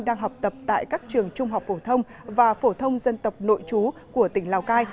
đang học tập tại các trường trung học phổ thông và phổ thông dân tộc nội chú của tỉnh lào cai